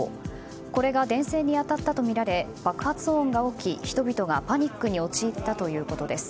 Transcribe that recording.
これが電線に当たったとみられ爆発音が起き人々がパニックに陥ったということです。